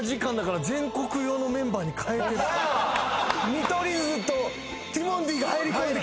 見取り図とティモンディが入り込んできてるわ！